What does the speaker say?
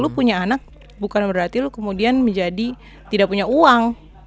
lu punya anak bukan berarti lu kemudian menjadi tidak punya uang